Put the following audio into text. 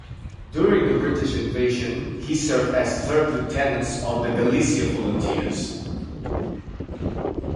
During the British Invasions he served as Third Lieutenant of the Galicia Volunteers.